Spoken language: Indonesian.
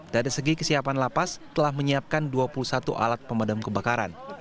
dari segi kesiapan lapas telah menyiapkan dua puluh satu alat pemadam kebakaran